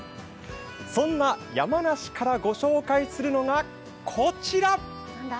そんな山梨からご紹介するのがこちら！